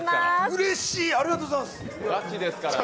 うれしい、ありがとうございます。